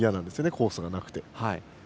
コースがなくて。